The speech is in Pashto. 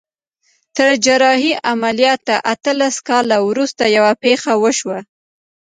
تر جراحي عمليات اتلس کاله وروسته يوه پېښه وشوه.